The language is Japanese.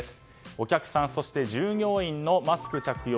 お客さん、従業員のマスク着用